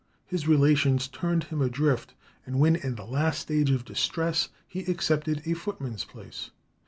His relations turned him adrift, and when in the last stage of distress he accepted a footman's place.